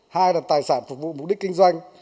hai là tài sản phục vụ mục đích kinh doanh